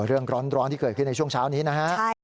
เรื่องร้อนที่เกิดขึ้นในช่วงเช้านี้นะฮะ